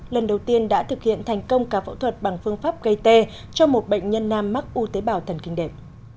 lần đầu tiên đã thực hiện thành công ca phẫu thuật bằng phương pháp gây tê cho một bệnh nhân nam mắc u tế bào thần kinh đẹp